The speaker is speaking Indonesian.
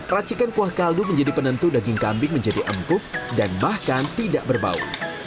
racikan kuah kaldu menjadi penentu daging kambing menjadi empuk dan bahkan tidak berbau